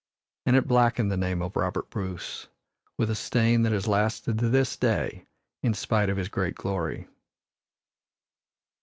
And it blackened the name of Robert Bruce with a stain that has lasted to this day, in spite of his great glory.